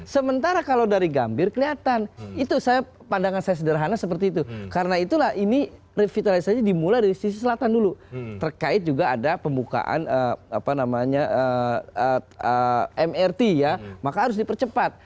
sementara kalau dari gambir kelihatan itu saya pandangan saya sederhana seperti itu karena itulah ini revitalisasi dimulai dari sisi selatan dulu terkait juga ada pembukaan mrt ya maka harus dipercepat